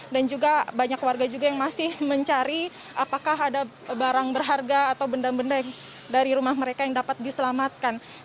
dan juga banyak warga juga yang masih mencari apakah ada barang berharga atau benda benda dari rumah mereka yang dapat diselamatkan